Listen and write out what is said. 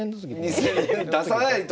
２０００年出さないと！